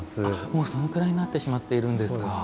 もうそのくらいになってしまっているんですか。